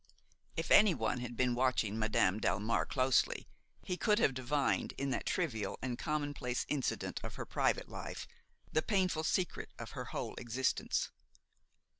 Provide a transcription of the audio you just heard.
If anyone had been watching Madame Delmare closely he could have divined, in that trivial and commonplace incident of her private life, the painful secret of her whole existence.